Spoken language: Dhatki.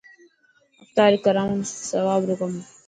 افتاري ڪراڻ سواب رو ڪم هي